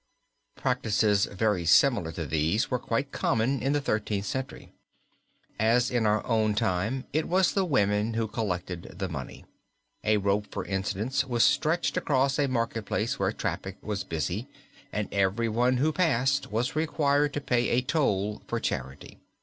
Practices very similar to this were quite common in the Thirteenth Century. As in our time, it was the women who collected the money. A rope, for instance, was stretched across a marketplace, where traffic was busy, and everyone who passed was required to pay a toll for charity.